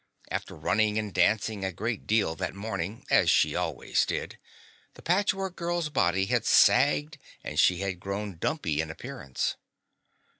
After running and dancing a great deal that morning as she always did the Patchwork Girl's body had sagged and she had grown dumpy in appearance.